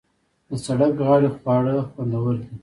د سړک غاړې خواړه خوندور دي.